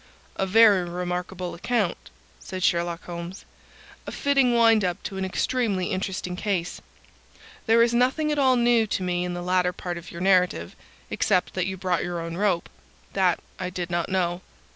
"A very remarkable account," said Sherlock Holmes. "A fitting wind up to an extremely interesting case. There is nothing at all new to me in the latter part of your narrative, except that you brought your own rope. That I did not know.